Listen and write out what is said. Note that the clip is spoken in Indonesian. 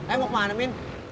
eh mau ke mana men